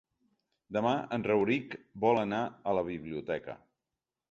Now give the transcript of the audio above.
Demà en Rauric vol anar a la biblioteca.